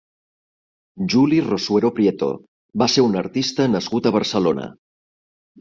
Juli Rosuero Prieto va ser un artista nascut a Barcelona.